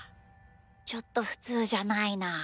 ちょっとふつうじゃないなあ。